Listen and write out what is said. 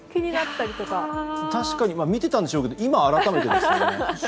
確かに見ていたんでしょうけど今、改めてですね。